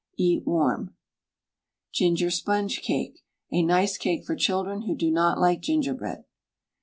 Eat warm. GINGER SPONGE CAKE (a nice Cake for Children who do not like Gingerbread).